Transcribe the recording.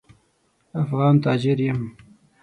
افغان تاجر یم.